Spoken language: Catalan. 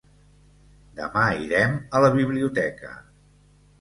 Demà irem a la biblioteca.